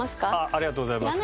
ありがとうございます。